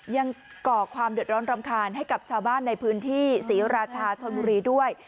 ก่อความเดือดร้อนรำคาญให้กับชาวบ้านในพื้นที่ศรีราชาชนบุรีด้วย